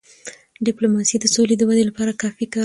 ډيپلوماسي د سولې د ودی لپاره کار کوي.